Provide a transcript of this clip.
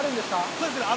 そうですね。